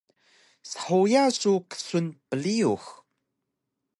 Shuya su ksun priyux?